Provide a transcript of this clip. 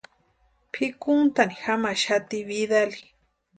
Pʼikuntani jamaxati Vidal.